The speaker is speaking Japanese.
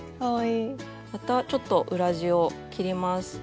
またちょっと裏地を切ります。